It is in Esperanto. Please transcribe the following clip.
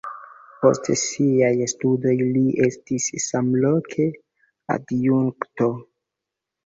Post siaj studoj li estis samloke adjunkto.